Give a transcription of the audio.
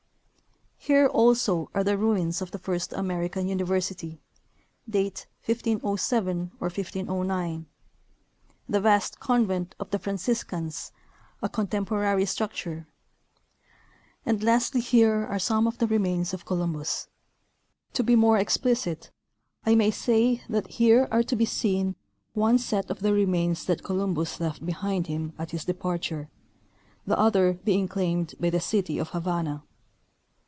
Here also are the ruins of the first American university — date, 1507 or 1509 ; the vast convent of the Franciscans, a contemporary structure ; and lastly here are some of the remains of Columbus. To be more explicit, I may say that here are to be seen one set of the remains that Columbus left behind him at his departure, the other being claimed by the city of Havana.